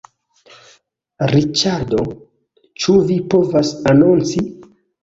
Riĉardo, ĉu vi povas anonci?